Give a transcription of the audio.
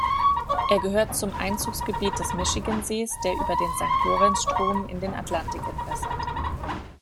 Er gehört zum Einzugsgebiet des Michigansees, der über den Sankt-Lorenz-Strom in den Atlantik entwässert.